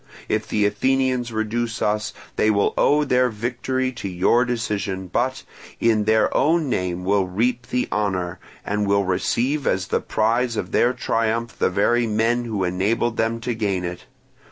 If the Athenians reduce us, they will owe their victory to your decision, but in their own name will reap the honour, and will receive as the prize of their triumph the very men who enabled them to gain it.